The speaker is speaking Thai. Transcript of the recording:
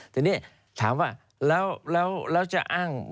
ทีนี้ถามว่าแล้วจะอ้าง